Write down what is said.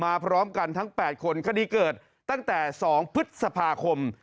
พร้อมกันทั้ง๘คนคดีเกิดตั้งแต่๒พฤษภาคม